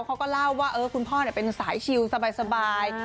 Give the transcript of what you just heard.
เขาก็เล่าว่าคุณพ่อเป็นสายชิลสบาย